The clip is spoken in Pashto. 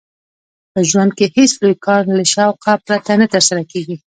په ژوند کښي هېڅ لوى کار له شوقه پرته نه ترسره کېږي.